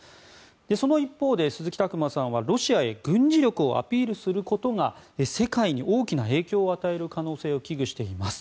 その一方で、鈴木琢磨さんはロシアへ軍事力をアピールすることが世界に大きな影響を与える可能性を危惧しています。